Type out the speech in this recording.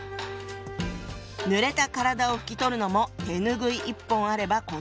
ぬれた体を拭き取るのも手拭い一本あれば事足りる。